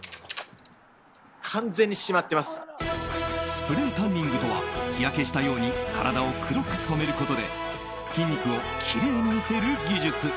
スプレータンニングとは日焼けしたように体を黒く染めることで筋肉をきれいに見せる技術。